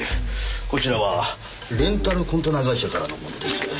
こちらはレンタルコンテナ会社からのものです。